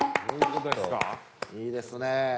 いいですね。